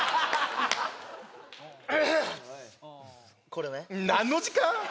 これね何の時間？